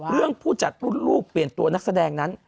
ผู้จัดรุ่นลูกเปลี่ยนตัวนักแสดงนั้น